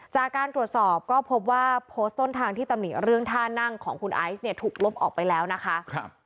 จากการตรวจสอบก็พบว่าโพสต์ต้นทางที่ตำหนิเรื่องท่านั่งของคุณไอซ์เนี่ยถูกลบออกไปแล้วนะคะ